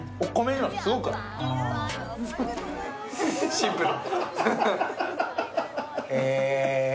シンプル。